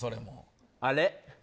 あれ？